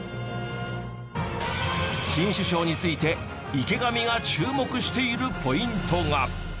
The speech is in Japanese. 新首相について池上が注目しているポイントが。